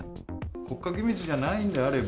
国家機密じゃないんであれば、